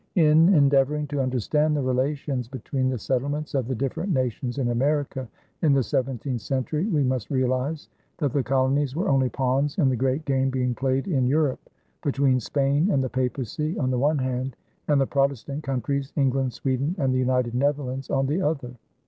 In endeavoring to understand the relations between the settlements of the different nations in America in the seventeenth century we must realize that the colonies were only pawns in the great game being played in Europe between Spain and the Papacy on the one hand and the Protestant countries, England, Sweden, and the United Netherlands on the other.